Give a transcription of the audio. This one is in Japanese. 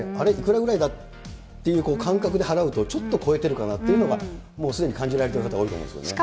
いくらぐらいだっけという感覚で払うと、ちょっと超えてるかなっていうのが、もうすでに感じられている方が多いと思いますね。